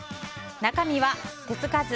中身は手つかず。